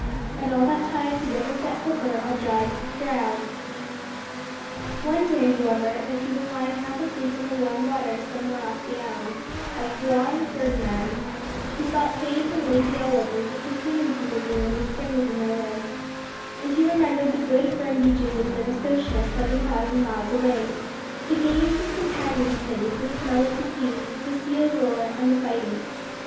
And all that time he never set flipper on dry ground. One day, however, as he was lying half asleep in the warm water somewhere off the Island of Juan Fernandez, he felt faint and lazy all over, just as human people do when the spring is in their legs, and he remembered the good firm beaches of Novastoshnah seven thousand miles away, the games his companions played, the smell of the seaweed, the seal roar, and the fighting.